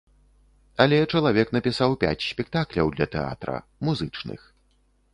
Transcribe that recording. Але чалавек напісаў пяць спектакляў для тэатра, музычных.